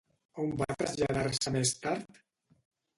On va traslladar-se més tard?